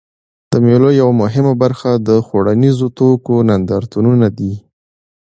د مېلو یوه مهمه برخه د خوړنیزو توکو نندارتونونه دي.